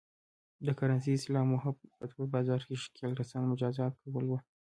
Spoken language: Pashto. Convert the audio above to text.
د کرنسۍ اصلاح موخه په تور بازار کې ښکېل کسان مجازات کول و.